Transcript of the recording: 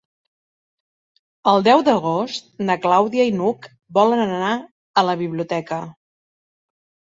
El deu d'agost na Clàudia i n'Hug volen anar a la biblioteca.